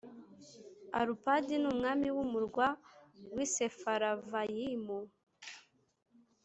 Arupadi n ‘umwami w ‘umurwa w ‘i Sefaravayimu .